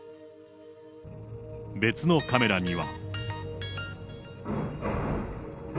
別のカメラには。